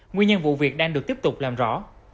nguyên nhân vụ việc đang được tiếp tục làm rõ